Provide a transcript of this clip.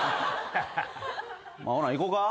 ほないこか？